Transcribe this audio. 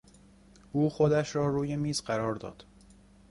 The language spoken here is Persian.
او خودش را روی میز قرار داد.